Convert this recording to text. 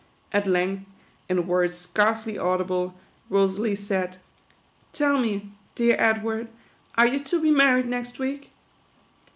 At length, in words scarcely au dible, Rosalie said, " Tell me, dear Edward, are you to be married next week